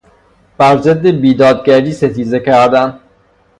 بر ضد بیدادگری ستیزه کردن